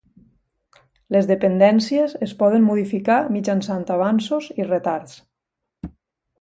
Les dependències es poden modificar mitjançant avanços i retards.